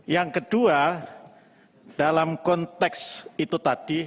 yang kedua dalam konteks itu tadi